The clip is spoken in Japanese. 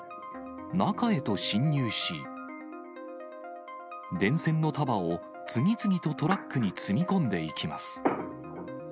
中へと侵入し、電線の束を次々とトラックに積み込んでいきます。